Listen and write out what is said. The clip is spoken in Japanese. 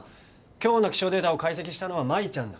今日の気象データを解析したのは舞ちゃんだ。